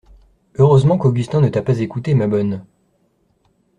Heureusement qu'Augustin ne t'a pas écoutée, ma bonne!